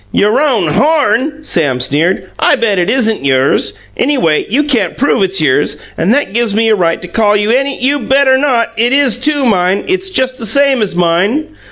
"Your own horn!" Sam sneered. "I bet it isn't yours! Anyway, you can't prove it's yours, and that gives me a right to call you any " "You better not! It is, too, mine. It's just the same as mine!"